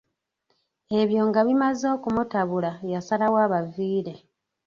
Ebyo nga bimaze okumutabula yasalawo abaviire.